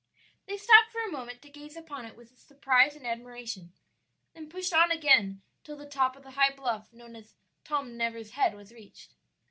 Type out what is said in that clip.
They stopped for a moment to gaze upon it with surprise and admiration, then pushed on again till the top of the high bluff known as Tom Never's Head was reached.